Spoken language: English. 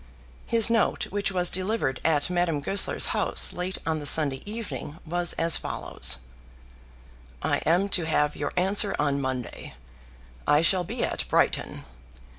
His note, which was delivered at Madame Goesler's house late on the Sunday evening, was as follows: "I am to have your answer on Monday. I shall be at Brighton.